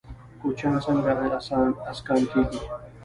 کوچیان څنګه اسکان کیږي؟